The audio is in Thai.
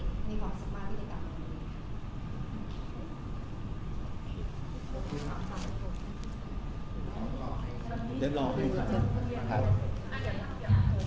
แล้วก็เด็กนักเรียนของเรานะคะส่วนใหญ่เรียนกลับมาเรียนปรับปฏิคล่องให้ทุกคน